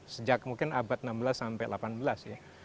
sejak mungkin abad enam belas sampai delapan belas ya